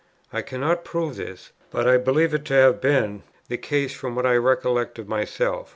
I cannot prove this, but I believe it to have been the case from what I recollect of myself.